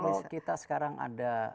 kalau kita sekarang ada